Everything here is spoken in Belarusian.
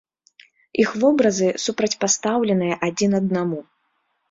Іх вобразы супрацьпастаўленыя адзін аднаму.